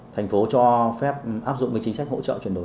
thành phố cho phép áp dụng chính sách hỗ trợ chuyển đổi